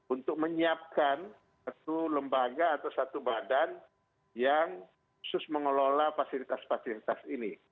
untuk menyiapkan satu lembaga atau satu badan yang khusus mengelola fasilitas fasilitas ini